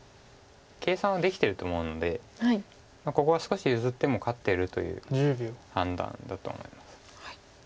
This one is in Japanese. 計算はできてると思うのでここは少し譲っても勝ってるという判断だと思います。